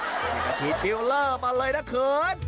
นี่กะทิตบิวเลอร์มาเลยนะเขิน